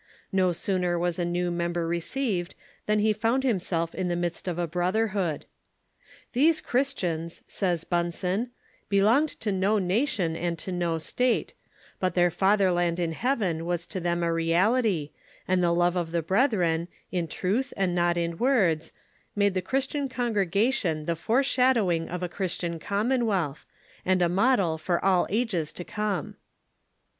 No sooner was a new member received than he found himself in the midst of a brotherhood. " These Christians," says Bunsen, " belonged to no nation and to no state ; but their fatherland in heaven was to them a reality, and the love of the brethren, in truth and not in words, made the Christian congregation the foreshad owing of a Christian commonwealth, and a model for all ages to come."